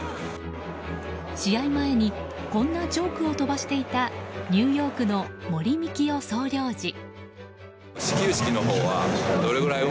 試合前にこんなジョークを飛ばしていたニューヨークの森美樹夫総領事。